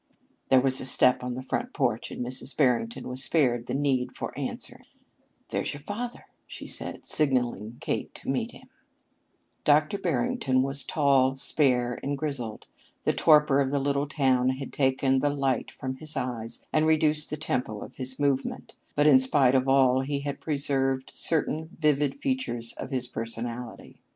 There was a step on the front porch and Mrs. Barrington was spared the need for answering. "There's your father," she said, signaling Kate to meet him. Dr. Barrington was tall, spare, and grizzled. The torpor of the little town had taken the light from his eyes and reduced the tempo of his movements, but, in spite of all, he had preserved certain vivid features of his personality.